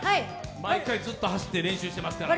毎回ずっと走って、練習してますから。